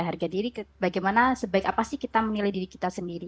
harga diri bagaimana sebaik apa sih kita menilai diri kita sendiri